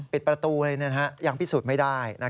ปิดประตูเลยยังพิสูจน์ไม่ได้